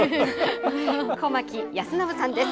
小牧康伸さんです。